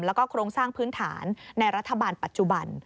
แล้วก็โครงสร้างพื้นฐานในรัฐบาลปัจจุบัน